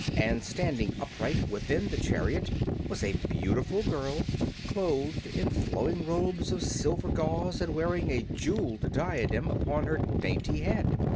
And standing upright within the chariot was a beautiful girl clothed in flowing robes of silver gauze and wearing a jeweled diadem upon her dainty head.